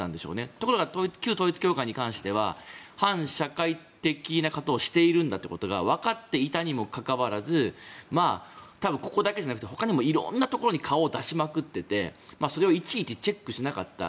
ところが旧統一教会に関しては反社会的なことをしているんだということがわかっていたにもかかわらずここだけじゃなくてほかにも色んなところに顔を出しまくっていてそれをいちいちチェックしなかった。